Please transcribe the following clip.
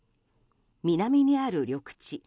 南にある緑地